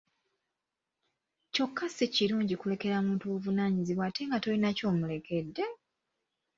Kyokka si kirungi kulekera muntu buvunaanyizibwa ate nga tolina ky'omulekedde!